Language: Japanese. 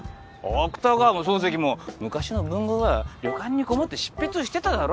芥川も漱石も昔の文豪は旅館に籠もって執筆してただろ？